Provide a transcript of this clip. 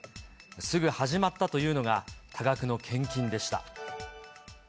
すぐ始まったというのが多額の献金でした。